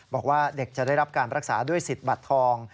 บอกว่าเด็กจะได้รับการรักษาด้วยสิทธิ์บัตรทอง